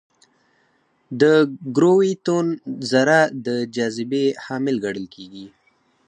د ګرویتون ذره د جاذبې حامل ګڼل کېږي.